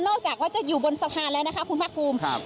จากว่าจะอยู่บนสะพานแล้วนะคะคุณภาคภูมิ